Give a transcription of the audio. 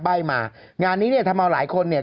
ใบ้มางานนี้เนี่ยทำเอาหลายคนเนี่ย